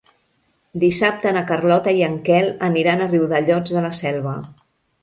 Dissabte na Carlota i en Quel aniran a Riudellots de la Selva.